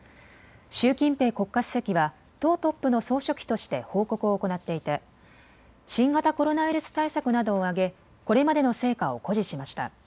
習近平国家主席は党トップの総書記として報告を行っていて新型コロナウイルス対策などを挙げ、これまでの成果を誇示しました。